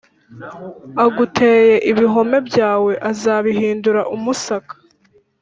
Aguteye ibihome byawe azabihindura umusaka